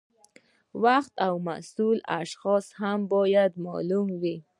وخت او مسؤل اشخاص هم باید معلوم وي.